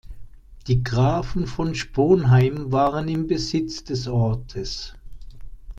Die Grafen von Sponheim waren im Besitz des Ortes.